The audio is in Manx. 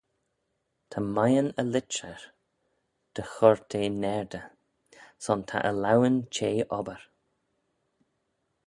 Ta mian y litcher dy choyrt eh naardey, son ta e laueyn chea obbyr.